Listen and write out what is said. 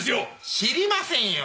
知りませんよ